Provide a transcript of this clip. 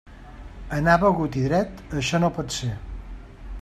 Anar begut i dret, això no pot ser.